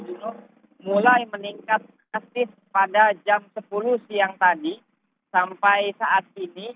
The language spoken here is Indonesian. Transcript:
jumlah mulai meningkat masih pada jam sepuluh siang tadi sampai saat ini